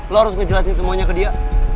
lo harus ngejelasin semuanya ke dia